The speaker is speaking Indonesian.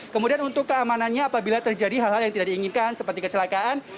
kemudian untuk keamanannya apabila terjadi hal hal yang tidak diinginkan seperti kecelakaan